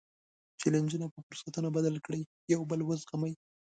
جیلنجونه په فرصتونو بدل کړئ، یو بل وزغمئ.